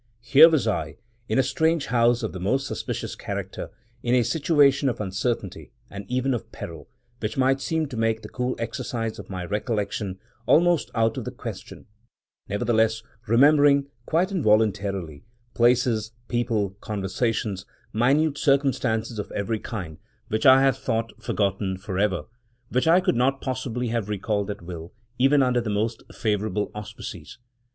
Here was I, in a strange house of the most suspicious character, in a situation of uncertainty, and even of peril, which might seem to make the cool exercise of my recollection almost out of the question; nevertheless, remembering, quite involuntarily, places, people, conversations, minute circumstances of every kind, which I had thought forgotten forever; which I could not possibly have recalled at will, even under the most favorable auspices.